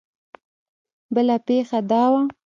بله پېښه دا وه.